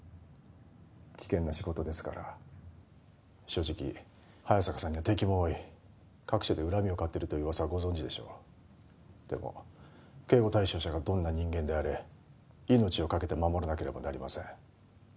危険な仕事ですから正直早坂さんには敵も多い各所で恨みを買ってるという噂はご存じでしょうでも警護対象者がどんな人間であれ命を懸けて守らなければなりません